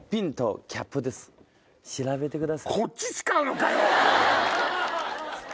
調べてください。